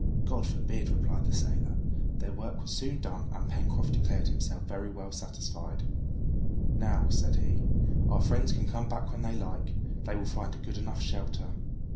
"God forbid!" replied the sailor. Their work was soon done, and Pencroft declared himself very well satisfied. "Now," said he, "our friends can come back when they like. They will find a good enough shelter."